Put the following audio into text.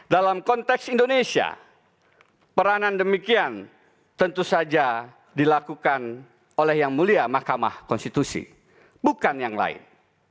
dalam konteks indonesia peranan demikian tentu saja dilakukan oleh yang mulia mahkamah konstitusi bukan yang lain